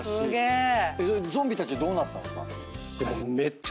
ゾンビたちどうなったんですか？